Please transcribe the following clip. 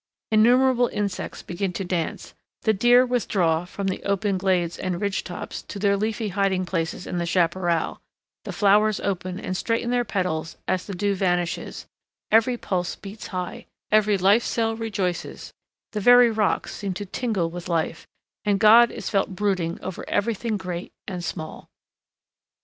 Innumerable insects begin to dance, the deer withdraw from the open glades and ridge tops to their leafy hiding places in the chaparral, the flowers open and straighten their petals as the dew vanishes, every pulse beats high, every life cell rejoices, the very rocks seem to tingle with life, and God is felt brooding over everything great and small.